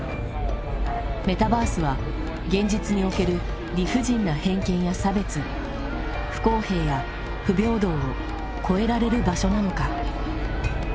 メタバースは現実における理不尽な偏見や差別不公平や不平等を超えられる場所なのか。